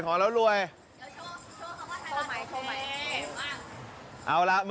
เหรออ้าว